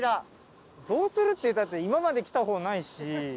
どうするっていったって今まで来た方ないし。